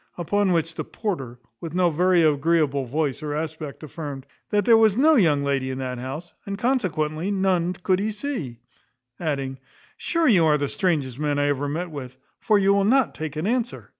Upon which the porter, with no very agreeable voice or aspect, affirmed, "that there was no young lady in that house, and consequently none could he see;" adding, "sure you are the strangest man I ever met with, for you will not take an answer."